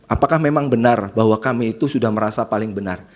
apakah memang benar bahwa kami itu sudah merasa paling benar